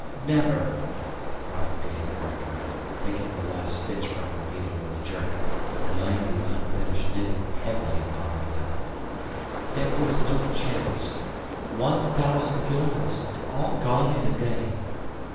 "Never!" cried Dame Brinker, taking the last stitch from her needle with a jerk and laying the unfinished knitting heavily upon her lap. "There is no chance! One thousand guilders and all gone in a day!